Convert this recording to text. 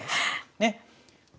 ねっ。